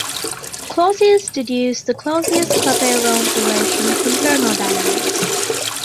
Clausius deduced the Clausius-Clapeyron relation from thermodynamics.